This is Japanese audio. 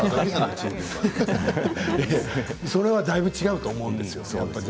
それはだいぶ違うと思うんですよ。